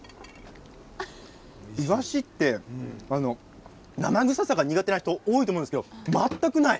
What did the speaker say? いわしって生臭さが苦手な人、多いと思うんですが全くない。